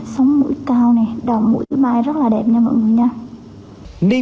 sống mũi cao nè đào mũi mai rất là đẹp nha mọi người nha